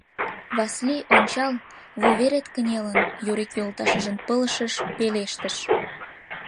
— Васлий, ончал, вуверет кынелын, — Юрик йолташыжын пылышыш пелештыш.